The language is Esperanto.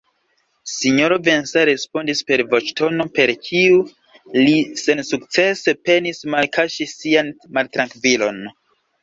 Sinjoro Vincent respondis per voĉtono, per kiu li sensukcese penis malkaŝi sian maltrankvilon: